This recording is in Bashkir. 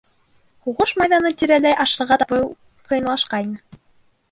Һуғыш майҙаны тирәләй ашарға табыу ҡыйынлашҡайны.